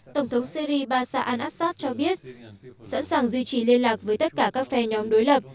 tổng thống syri basa al assad cho biết sẵn sàng duy trì liên lạc với tất cả các phe nhóm đối lập